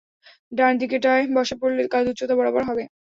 ডান দিকেরটায়, বসে পড়লে কাঁধ উচ্চতা বরাবর হবে।